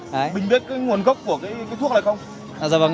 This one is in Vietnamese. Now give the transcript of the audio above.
mình biết cái nguồn gốc của cái thuốc này không